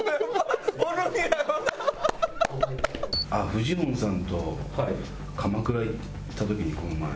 フジモンさんと鎌倉行った時にこの前。